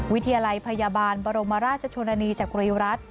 วิทยาลัยพยาบาลบรมราชชนนีจักรีรัฐ